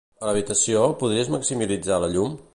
A l'habitació, podries maximitzar la llum?